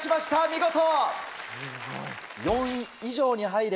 見事。